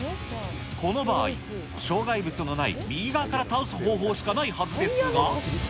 この場合、障害物のない右側から倒す方法しかないはずですが。